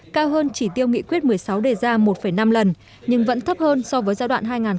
cao hơn chỉ tiêu nghị quyết một mươi sáu đề ra một năm lần nhưng vẫn thấp hơn so với giai đoạn hai nghìn sáu hai nghìn một mươi